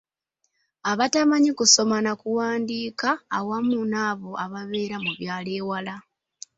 Abatamanyi kusoma na kuwandiika awamu n'abo ababeera mu byalo ewala.